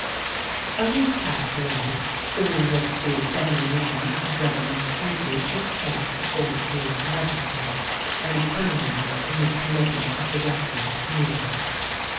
A week passed away, during which the examination of Reginald Tracy took place before the police magistrate, and terminated in the committal of the rector to Newgate.